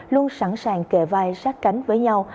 luôn sẵn sàng kề vai sát cánh với nhau